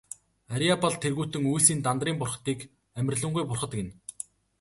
Арьяабал тэргүүтэн үйлсийн Дандарын бурхдыг амарлингуй бурхад гэнэ.